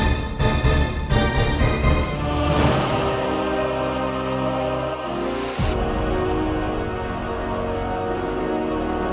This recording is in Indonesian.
sudah razak everythingitu membuatku bangga